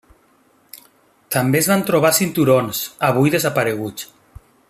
També es van trobar cinturons, avui desapareguts.